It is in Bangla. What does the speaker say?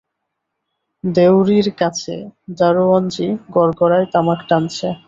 দেউড়ির কাছে দরোয়ানজি গড়গড়ায় তামাক টানছে।